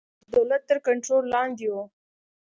د دولت تر کنټرول لاندې وو.